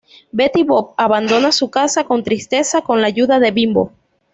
Betty Boop abandona su casa con tristeza, con la ayuda de Bimbo.